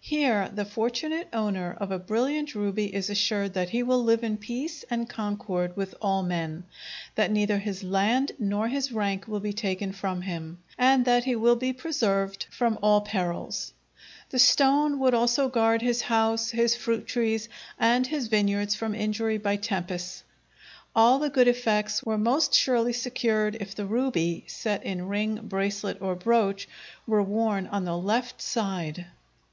Here the fortunate owner of a brilliant ruby is assured that he will live in peace and concord with all men, that neither his land nor his rank will be taken from him, and that he will be preserved from all perils. The stone would also guard his house, his fruit trees, and his vineyards from injury by tempests. All the good effects were most surely secured if the ruby, set in ring, bracelet, or brooch, were worn on the left side.